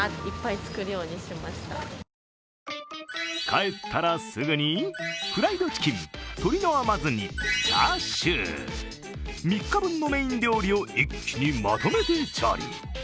帰ったらすぐにフライドチキン、鶏の甘酢煮、チャーシュー３日分のメイン料理を一気にまとめて調理。